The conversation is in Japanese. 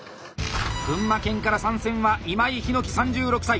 群馬県から参戦は今井陽樹３６歳。